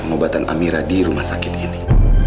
pengobatan amira di rumah sakit ini